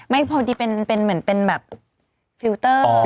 ไม่พอดีเป็นเหมือนเป็นแบบฟิลเตอร์